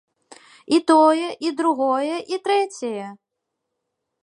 І тое, і другое, і трэцяе!